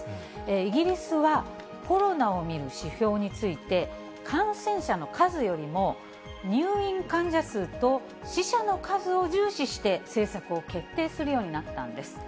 イギリスは、コロナを見る指標について、感染者の数よりも、入院患者数と死者の数を重視して政策を決定するようになったんです。